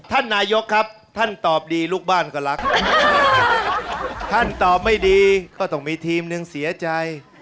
ท่านนายกครับท่านตอบดีลูกบ้านก็รักท่านตอบไม่ดีก็ต้องมีทีมหนึ่งเสียใจ